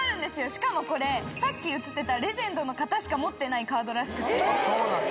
しかもこれさっき映ってたレジェンドの方しか持ってないカードらしくて。